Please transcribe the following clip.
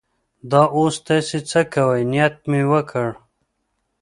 دا اوس تاسې څه کوئ؟ نیت مې وکړ.